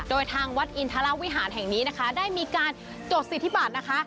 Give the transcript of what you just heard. โดยทางวัดอินทรวิหารแห่งนี้นะคะได้มีการจดสิทธิบัตรนะคะ